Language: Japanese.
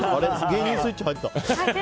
芸人スイッチ入った。